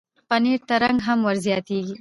پنېر ته رنګ هم ورزیاتېږي.